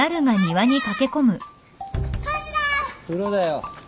風呂だよ。